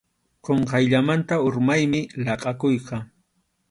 Qunqayllamanta urmaymi laqʼakuyqa.